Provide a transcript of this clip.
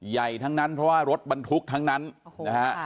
ใหญ่ทั้งนั้นเพราะว่ารถบรรทุกทั้งนั้นนะฮะ